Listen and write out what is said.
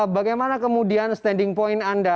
bagaimana kemudian standing point anda